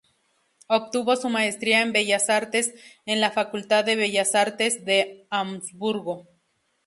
Obtuvo su maestría en Bellas Artes en la Facultad de Bellas Artes de Hamburgo.